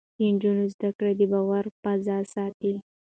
د نجونو زده کړه د باور فضا ساتي.